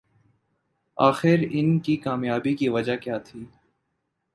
آخر ان کی کامیابی کی وجہ کیا تھی